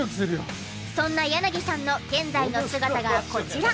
そんな柳さんの現在の姿がこちら。